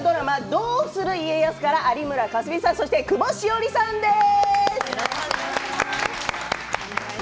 「どうする家康」から有村架純さん久保史緒里さんです。